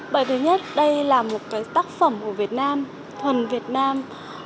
bởi thứ nhất đây là một cái tác phẩm của việt nam thuần việt nam